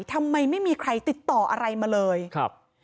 ทำไมไม่มีใครติดต่ออะไรมาเลยครับ